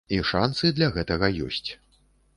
І шанцы для гэтага ёсць.